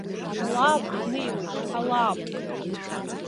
Алаапк неиуеит, алаапк!